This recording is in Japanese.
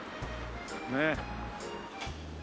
ねえ。